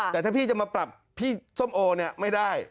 แต่ถ้าพี่จะมาปรับพี่ส้มโอเนี่ยไม่ได้